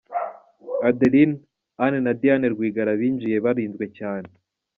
Adeline, Anne na Diane Rwigara binjiye barinzwe cyane.